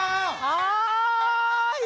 はい！